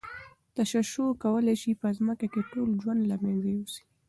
تشعشع کولای شي په ځمکه کې ټول ژوند له منځه یوسي.